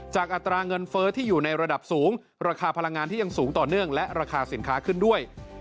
อัตราเงินเฟ้อที่อยู่ในระดับสูงราคาพลังงานที่ยังสูงต่อเนื่องและราคาสินค้าขึ้นด้วย